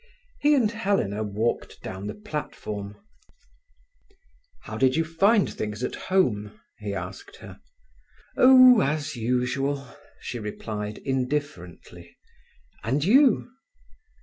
He and Helena walked down the platform. "How did you find things at home?" he asked her. "Oh, as usual," she replied indifferently. "And you?"